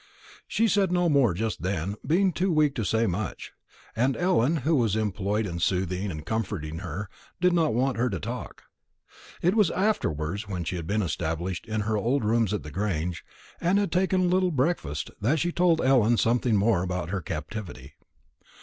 She said no more just then, being too weak to say much; and Ellen, who was employed in soothing and comforting her, did not want her to talk. It was afterwards, when she had been established in her old rooms at the Grange, and had taken a little breakfast, that she told Ellen something more about her captivity.